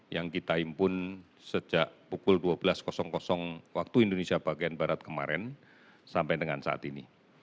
yang kita impun sejak pukul dua belas waktu indonesia bagian barat kemarin sampai dengan saat ini